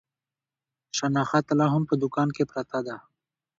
شنخته لا هم په دوکان کې پرته ده.